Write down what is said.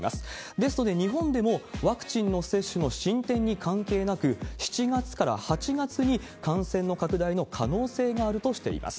ですので、日本でもワクチンの接種の進展に関係なく、７月から８月に感染の拡大の可能性もあるとしています。